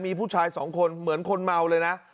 มีผู้ชายสองคนเหมือนคนเมาเลยนะ